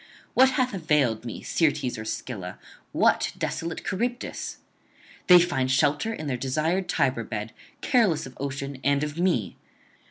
What hath availed me Syrtes or Scylla, what desolate Charybdis? they find shelter in their desired Tiber bed, careless of ocean and of me.